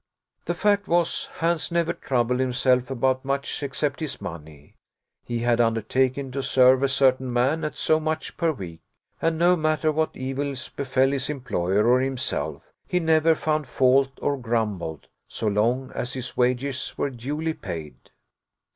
The fact was, Hans never troubled himself about much except his money. He had undertaken to serve a certain man at so much per week, and no matter what evils befell his employer or himself, he never found fault or grumbled, so long as his wages were duly paid.